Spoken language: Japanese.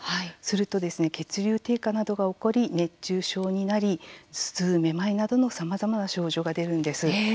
すると血流低下などが起こり熱中症になり頭痛、めまいなどのさまざまな症状が出るんです。